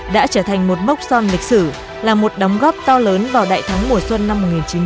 đã trở thành một mốc son lịch sử là một đóng góp to lớn vào đại thắng mùa xuân năm một nghìn chín trăm bảy mươi năm